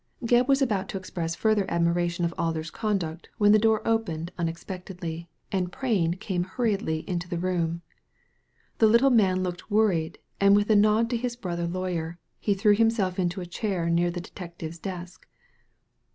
Gebb was about to express further admiration of Alder's conduct when the door opened unexpectedly, and Prain came hurriedly into the room. The little man looked worried, and with a nod to his brother lawyer, he threw himself into a chair near the detective's desk.